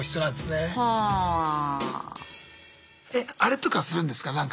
えあれとかするんですか？